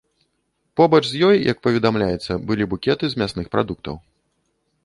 Побач з ёй, як паведамляецца, былі букеты з мясных прадуктаў.